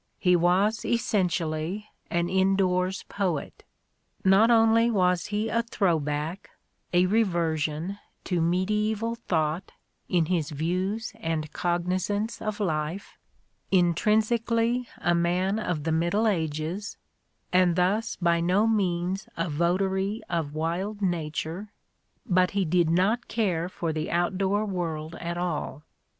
he was essentially an indoors poet." Not only was he a throw back, a reversion, to mediaeval thought, in his views and cognisance of life :" intrinsic ally a man of the Middle Ages," — and thus by no means a votary of wild Nature : but he did not care for the outdoor world at all.